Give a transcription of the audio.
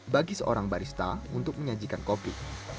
bagi seorang barista untuk menyajikan kopi